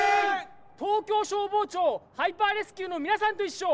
東京消防庁ハイパーレスキューのみなさんといっしょ。